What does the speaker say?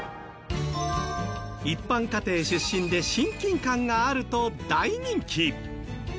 一般家庭出身で親近感があると大人気。